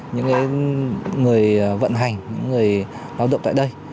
những người vận hành những người lao động tại đây